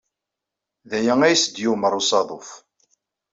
D aya ayyes d-yumeṛ usaḍuf.